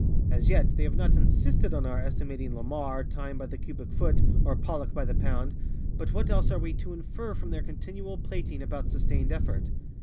As _yet, _they have not _insisted _on our estimating ŌĆ£LamarŌĆØ tine by the cubic foot, or Pollock by the poundŌĆöbut what else are we to _infer _from their continual plating about ŌĆ£sustained effortŌĆØ?